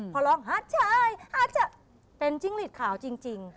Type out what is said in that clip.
พอร้องฮัตเช่ยฮัตเช่ยเป็นจิ้งหลีดข่าวจริง